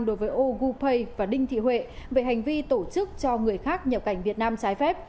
đối với ogu pay và đinh thị huệ về hành vi tổ chức cho người khác nhập cảnh việt nam trái phép